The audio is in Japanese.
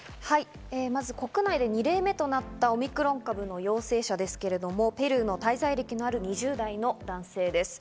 まず国内で２例目となったオミクロン株の陽性者ですけれども、ペルーの滞在歴がある２０代の男性です。